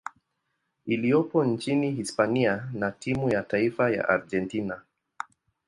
iliyopo nchini Hispania na timu ya taifa ya Argentina.